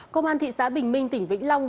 công an thị xã bình minh tỉnh vĩnh long